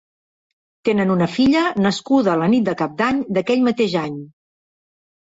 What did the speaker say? Tenen una filla, nascuda la nit de Cap d'Any d'aquell mateix any.